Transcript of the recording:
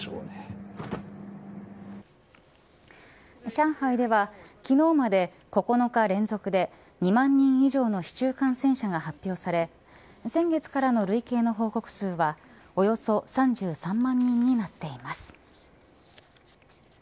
上海では昨日まで９日連続で２万人以上の市中感染者が発表され先月からの累計の報告数はおよそ３３万人になっています。